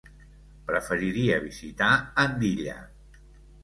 Preferiria visitar Andilla.